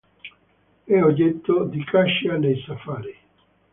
È oggetto di caccia nei safari.